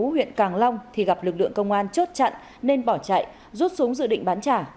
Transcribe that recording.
huyện càng long thì gặp lực lượng công an chốt chặn nên bỏ chạy rút xuống dự định bán trả